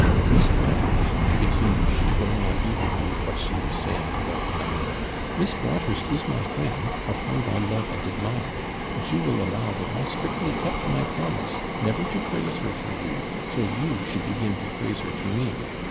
'Miss Broadhurst,' continued she, going on eagerly with what she was saying to Lord Colambre 'Miss Broadhurst is my friend, a friend I love and admire; but you will allow that I strictly kept my promise, never to praise her to you, till you should begin to praise her to me.